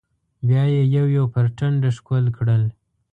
بيا يې يو يو پر ټنډه ښکل کړل.